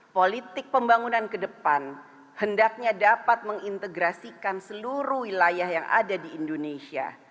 politik pembangunan ke depan hendaknya dapat mengintegrasikan seluruh wilayah yang ada di indonesia